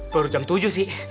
baru jam tujuh sih